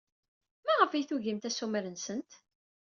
Maɣef ay tugimt assumer-nsent?